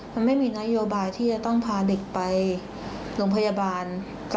มันไม่มีนโยบายที่จะต้องพาเด็กไปโรงพยาบาล